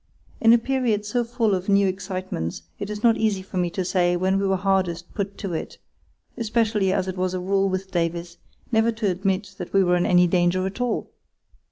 In a period so full of new excitements it is not easy for me to say when we were hardest put to it, especially as it was a rule with Davies never to admit that we were in any danger at all.